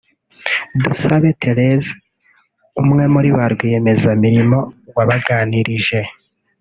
Dusabe Therese umwe muri ba rwiyemezamirimo wabaganirije